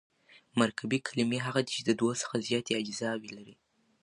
مرکبي کلیمې هغه دي، چي د دوو څخه زیاتي اجزاوي لري.